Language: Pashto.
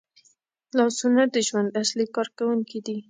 لاسونه د ژوند اصلي کارکوونکي دي